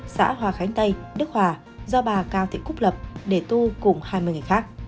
xã hòa khánh tây đức hòa do bà cao thị cúc lập để tu cùng hai mươi người khác